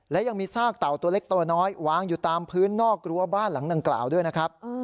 และยังมีซากเต่าตัวเล็กตัวน้อยวางอยู่ตามพื้นนอกรั้วบ้านหลังดังกล่าวด้วยนะครับ